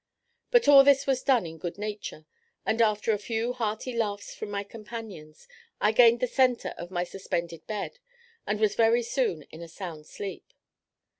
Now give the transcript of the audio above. But all this was done in good nature; and after a few hearty laughs from my companions, I gained the centre of my suspended bed, and was very soon in a sound sleep.